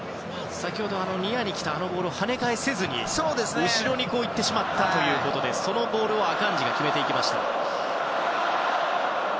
先ほどは、ニアに来たボールをはね返せずに後ろに行ってしまったということでそのボールをアカンジが決めていきました。